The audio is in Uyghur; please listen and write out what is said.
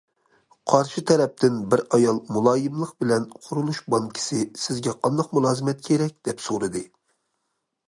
قارشى تەرەپتىن بىر ئايال مۇلايىملىق بىلەن: قۇرۇلۇش بانكىسى، سىزگە قانداق مۇلازىمەت كېرەك، دەپ سورىدى.